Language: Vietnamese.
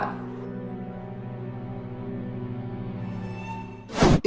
tiếp theo bản lề